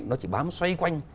nó chỉ bám xoay quanh